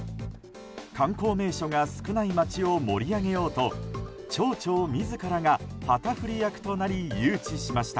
観光名所が少ない町を盛り上げようと町長自らが旗振り役となり誘致しました。